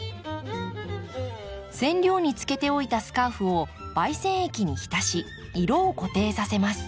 染料につけておいたスカーフを媒染液に浸し色を固定させます。